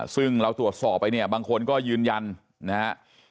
ซึ่งเราตรวจสอบไปเนี่ยบางคนก็ยืนยันนะฮะ